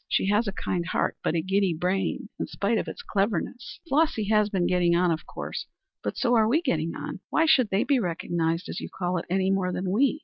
She has a kind heart, but a giddy brain in spite of its cleverness." "Flossy has been getting on, of course. But so are we getting on. Why should they be recognized, as you call it, any more than we?